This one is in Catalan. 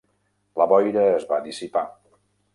La boira es va dissipar.